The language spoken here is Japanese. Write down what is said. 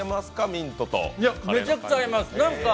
ミントとめちゃくちゃ合います。